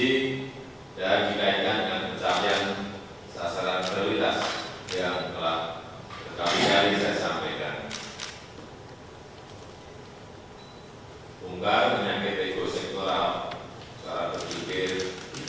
dan dikaitkan dengan pencahayaan sasaran prioritas yang telah berkali kali saya sampaikan